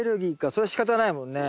それしかたないもんね。